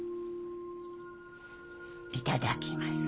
いただきます。